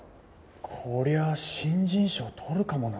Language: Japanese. こりゃあ新人賞取るかもな。